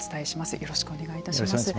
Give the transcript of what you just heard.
よろしくお願いします。